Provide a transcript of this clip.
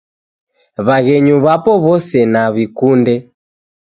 W'aghenyu w'apo w'ose na naw'ikunde